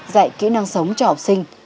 dạy kỹ năng sống cho học sinh